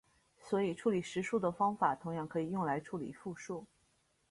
所以处理实数的方法同样可以用来处理复数。